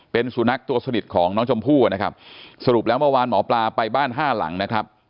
เป็นสุนัขตัวสนิทของน้องชมพู่นะครับสรุปแล้วเมื่อวานหมอปลาไปบ้านห้าหลังนะครับ